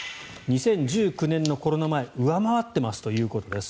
２０１９年のコロナ前を上回っていますということです。